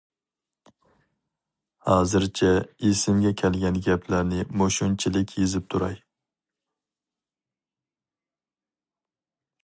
ھازىرچە ئېسىمگە كەلگەن گەپلەرنى مۇشۇنچىلىك يېزىپ تۇراي.